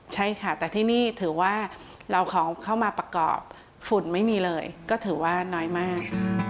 ใช่ค่ะแต่ที่นี่ถือว่าเราของเข้ามาประกอบฝุ่นไม่มีเลยก็ถือว่าน้อยมาก